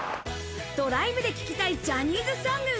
ドライブで聴きたいジャニーズソング。